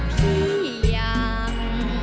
พี่ยัง